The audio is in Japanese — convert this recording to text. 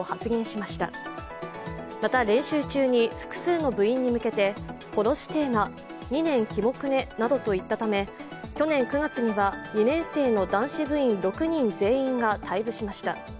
また、練習中に複数の部員に向けて殺してえな、２年きもくねなどと言ったため、去年９月には２年生の男子部員６人全員が退部しました。